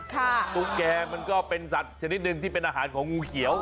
ตุ๊กแกมันก็เป็นสัตว์ชนิดหนึ่งที่เป็นอาหารของงูเขียว